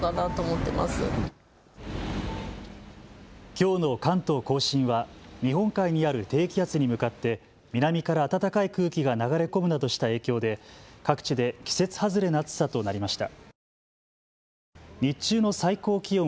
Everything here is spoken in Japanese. きょうの関東甲信は日本海にある低気圧に向かって南から暖かい空気が流れ込むなどした影響で各地で季節外れの暑さとなりました。